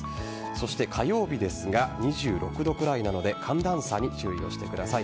そして火曜日ですが２６度くらいなので寒暖差に注意をしてください。